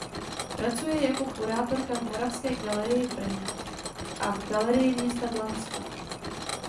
Pracuje jako kurátorka v Moravské galerii v Brně a v Galerii města Blanska.